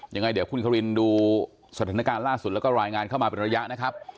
ยังไงเดี๋ยวคุณควินดูสถานการณ์ล่าสุดแล้วก็รายงานเข้ามาเป็นระยะนะครับ